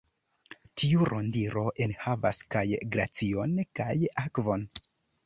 Tiu Rondiro enhavas kaj glacion kaj akvon.